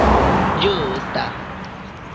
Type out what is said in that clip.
ĝusta